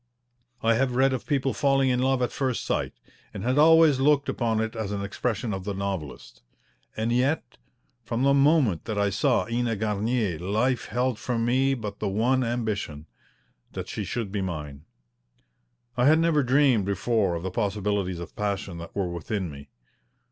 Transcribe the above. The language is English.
I have read of people falling in love at first sight, and had always looked upon it as an expression of the novelist. And yet from the moment that I saw Ena Garnier life held for me but the one ambition that she should be mine. I had never dreamed before of the possibilities of passion that were within me.